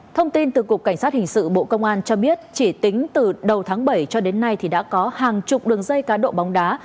thông tin từ cục cảnh sát hình sự bộ công an cho biết chỉ tính từ đầu tháng bảy cho đến nay thì đã có hàng chục đường dây cá độ bóng đá